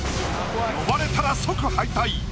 呼ばれたら即敗退！